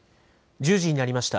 １０時になりました。